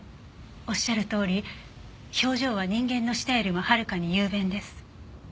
おっしゃるとおり表情は人間の舌よりもはるかに雄弁です。